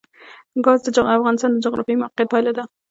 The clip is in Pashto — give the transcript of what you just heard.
ګاز د افغانستان د جغرافیایي موقیعت پایله ده.